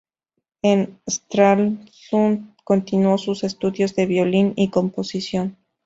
En Stralsund continuó sus estudios de violín y composición.